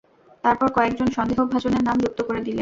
তারপর, কয়েকজন সন্দেহভাজনের নাম যুক্ত করে দিলেন।